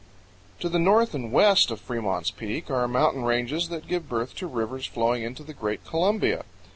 To the north and west of Fremont's Peak are mountain ranges that give birth to rivers flowing into the great Columbia.